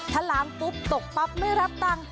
ถ้าล้างปุ๊บตกปั๊บไม่รับตังค์